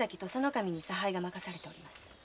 守に差配が任されております。